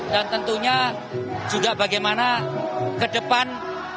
tentunya juga bagaimana ke depan